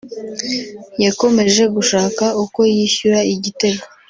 yakomeje gushaka uko yishyura igitego